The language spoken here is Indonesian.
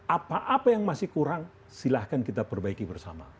apa apa yang masih kurang silahkan kita perbaiki bersama